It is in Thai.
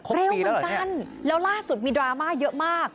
เร็วเหมือนกันแล้วล่าสุดมีดราม่าเยอะมาก